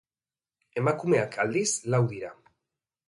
Emakumeak, aldiz, lau dira.